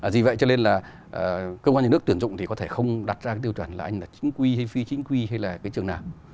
vì vậy cho nên là cơ quan nhà nước tuyển dụng thì có thể không đặt ra cái tiêu chuẩn là anh là chính quy hay phi chính quy hay là cái trường nào